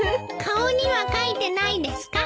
顔には書いてないですか？